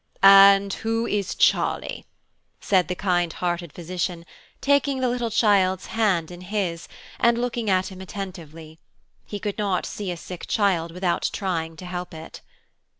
"And who is Charlie?" said the kind hearted physician, taking the child's little wasted hand in his, and looking at him attentively. He could not see a sick child without trying to help it.